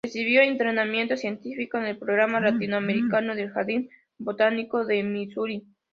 Recibió entrenamiento científico en el Programa Latinoamericano del Jardín Botánico de Misuri.